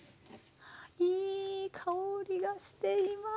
いい香りがしています。